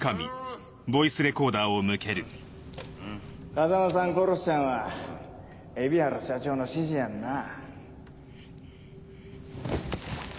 風間さん殺したんは海老原社長の指示やんなぁ？